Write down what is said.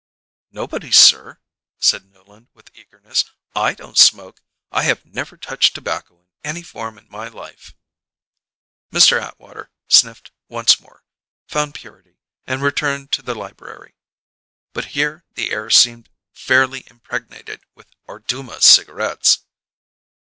"Nobody, sir," said Newland with eagerness. "I don't smoke. I have never touched tobacco in any form in my life." Mr. Atwater sniffed once more, found purity; and returned to the library. But here the air seemed faintly impregnated with Orduma cigarettes.